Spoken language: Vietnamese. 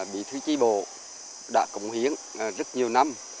bị thứ trí bộ đã cộng hiến rất nhiều năm